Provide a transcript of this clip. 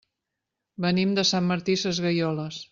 Venim de Sant Martí Sesgueioles.